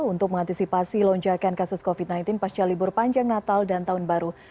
untuk mengantisipasi lonjakan kasus covid sembilan belas pasca libur panjang natal dan tahun baru